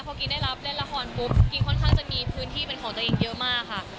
พอกิ๊งได้รับเล่นละครปุ๊บกิ๊งค่อนข้างจะมีพื้นที่เป็นของตัวเองเยอะมากค่ะ